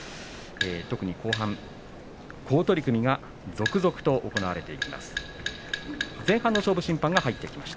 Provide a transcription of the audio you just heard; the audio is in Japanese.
特に後半、好取組が続々と行われていきます。